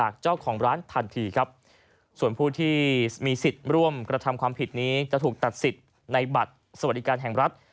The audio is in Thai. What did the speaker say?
กฎธรรมความผิดนี้จะถูกตัดสิทธิ์ในบัตรสวัสดิการแห่งรัฐ